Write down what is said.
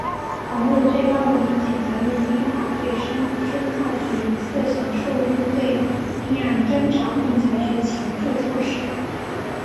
同日最高人民检察院依法对孙兆学以涉嫌受贿罪立案侦查并采取强制措施。